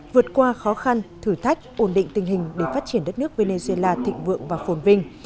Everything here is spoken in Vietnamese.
vượt qua khó khăn thử thách ổn định tình hình để phát triển đất nước venezuela thịnh vượng và phồn vinh